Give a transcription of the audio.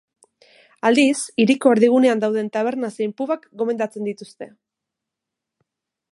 Aldiz, hiriko erdigunean dauden taberna zein pubak gomendatzen dituzte.